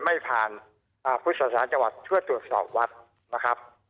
ไม่ผ่านพุศนาจังหวัดเพื่อตรวจสอบวัดนะครับ